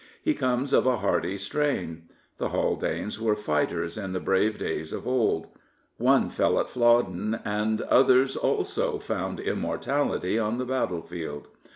He comes of a hardy strain. The Haldanes were fighters in the brave da}^ of old. One fell at Flodden, and others also found immortality on the battlefield.